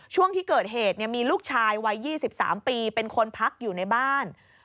ช่วงที่เกิดเหตุมีลูกชายวัย๒๓ปีเป็นคนพักอยู่ในบ้าน